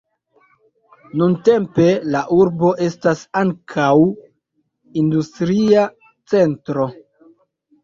Nuntempe la urbo estas ankaŭ industria centro.